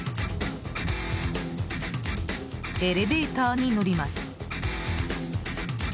エレベーターに乗ります。